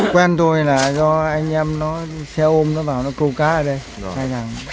quen tôi là do anh em nó xe ôm nó vào nó cố cá ở đây